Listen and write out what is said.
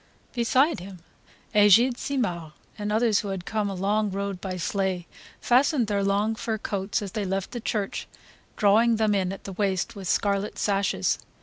Beside him Egide Simard, and others who had come a long road by sleigh, fastened their long fur coats as they left the church, drawing them in at the waist with scarlet sashes.